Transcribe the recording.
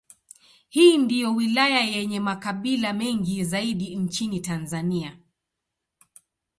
Hii ndiyo wilaya yenye makabila mengi zaidi nchini Tanzania.